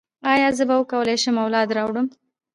ایا زه به وکولی شم اولاد راوړم؟